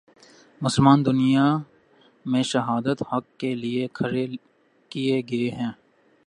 مسلمان دنیا میں شہادت حق کے لیے کھڑے کیے گئے ہیں۔